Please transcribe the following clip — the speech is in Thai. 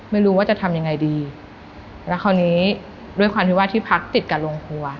ไม่รู้ว่าจะทำยังไงดีแล้วคราวนี้ด้วยความที่ว่าที่พักติดกับโรงครัว